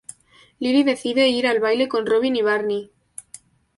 Lily decide ir al baile con Robin y Barney.